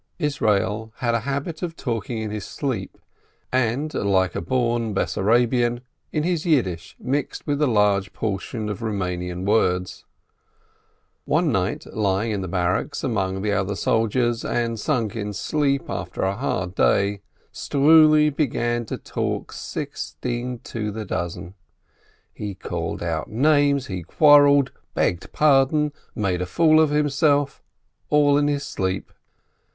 Israel had a habit of talking in his sleep, and, .like a born Bessarabian, in his Yiddish mixed with a large portion of Roumanian words. One night, lying in the barracks among the other soldiers, and sunk in sleep after a hard day, Struli began to talk sixteen to the dozen. He called out names, he quarrelled, begged pardon, made a fool of himself — all in his sleep.